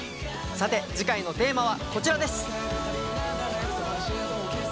さて次回のテーマはこちらです。